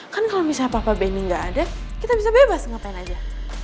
kan kalau misalnya papa benny nggak ada kita bisa bebas ngapain aja